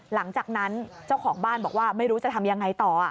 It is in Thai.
หลังจากนั้นเจ้าของบ้านบอกว่าไม่รู้จะทำยังไงต่อ